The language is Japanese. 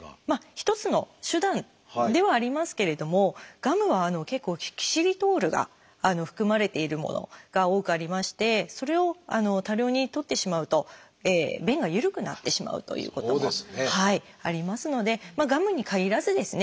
一つの手段ではありますけれどもガムは結構キシリトールが含まれているものが多くありましてそれを多量にとってしまうと便が緩くなってしまうということもありますのでガムにかぎらずですね